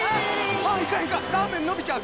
あっいかんいかんラーメンのびちゃうぞ。